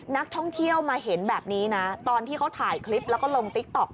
นักท่องเที่ยวมาเห็นแบบนี้นะตอนที่เขาถ่ายคลิปแล้วก็ลงติ๊กต๊อก